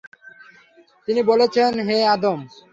তিনি বললেন, হে আদম!